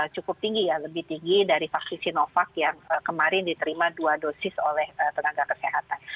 cukup tinggi ya lebih tinggi dari vaksin sinovac yang kemarin diterima dua dosis oleh tenaga kesehatan